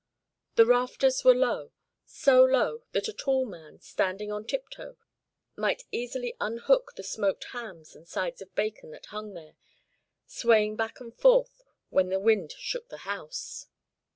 The rafters were low so low that a tall man, standing on tiptoe, might easily unhook the smoked hams and sides of bacon that hung there, swaying back and forth when the wind shook the house.